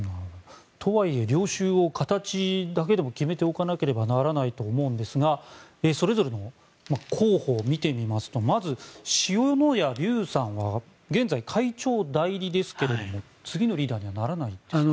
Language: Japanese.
とはいえ領袖を形だけでも決めておかなければならないと思うんですがそれぞれの候補を見てみますとまず塩谷立さんは現在、会長代理ですが次のリーダーにはならないですか？